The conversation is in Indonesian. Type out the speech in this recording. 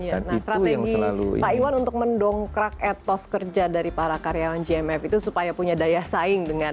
iya nah strategi pak iwan untuk mendongkrak etos kerja dari para karyawan gmf itu supaya punya daya saing dengan